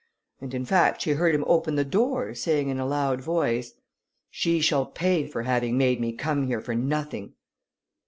And in fact she heard him open the door, saying in a loud voice, "She shall pay for having made me come here for nothing."